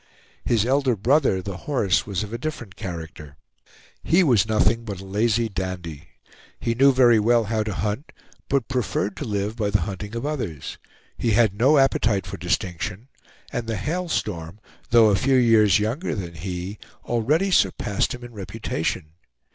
His elder brother, the Horse, was of a different character. He was nothing but a lazy dandy. He knew very well how to hunt, but preferred to live by the hunting of others. He had no appetite for distinction, and the Hail Storm, though a few years younger than he, already surpassed him in reputation.